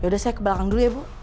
yaudah saya ke belakang dulu ya bu